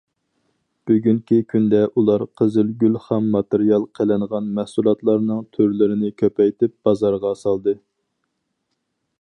بۈگۈنكى كۈندە ئۇلار قىزىلگۈل خام ماتېرىيال قىلىنغان مەھسۇلاتلارنىڭ تۈرلىرىنى كۆپەيتىپ بازارغا سالدى.